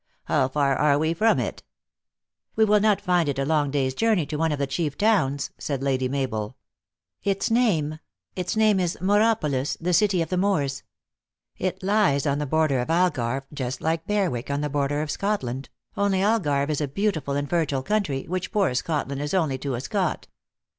How far are we from it ?"* We will not find it a long day s journey to one of the chief towns," said Lady Mabel. " Its name its name is Mauropolis, the city of the Moors. It lies on the border of Algarve, just like Berwick on the border of Scotland, only Algarve is a beautiful and fertile country, which poor Scotland is only to a Scot."